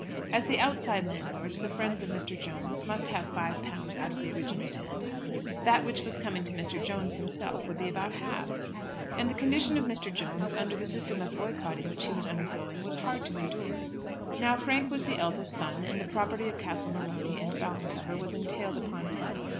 As the outside landlords, the friends of Mr. Jones, must have five pounds out of the original ten, that which was coming to Mr. Jones himself would be about halved. And the condition of Mr. Jones, under the system of boycotting which he was undergoing, was hard to endure. Now Frank was the eldest son, and the property of Castle Morony and Ballintubber was entailed upon him.